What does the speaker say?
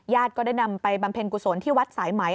ก็ได้นำไปบำเพ็ญกุศลที่วัดสายไหม